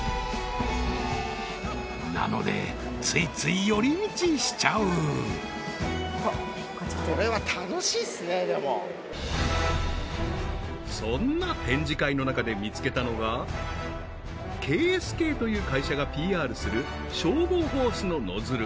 なのでついつい寄り道しちゃうそんな展示会の中で見つけたのがケーエスケーという会社がＰＲする消防ホースのノズル